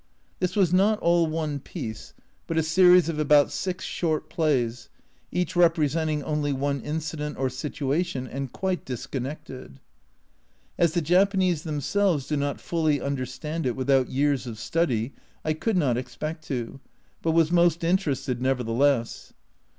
This was not all one piece, but a series of about six short plays, each representing only one incident or situation, and quite disconnected. As the Japanese themselves do not fully understand it without years of study, I could not expect to, but was most interested nevertheless.